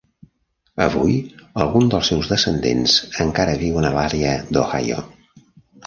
Avui, alguns dels seus descendents encara viuen a l'àrea d'Ohio.